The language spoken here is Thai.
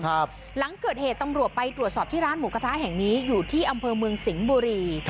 หลังเกิดเหตุตำรวจไปตรวจสอบที่ร้านหมูกระทะแห่งนี้อยู่ที่อำเภอเมืองสิงห์บุรี